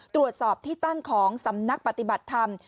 ตรวจสอบที่ตั้งของสำนักปฏิบัติธรรม